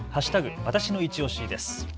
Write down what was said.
わたしのいちオシです。